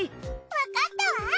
わかったわ！